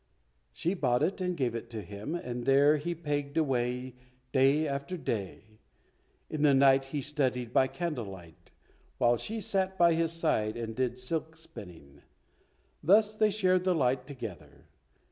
She bought it and gave it to him, and there he pegged away day after day. In the night he studied by candle light, while she sat by his side and did silk spinning. Thus they shared the light together.